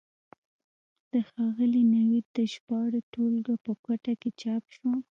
د ښاغلي نوید د ژباړو ټولګه په کوټه کې چاپ شوه.